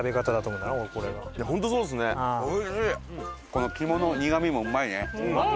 この肝の苦みもうまいね。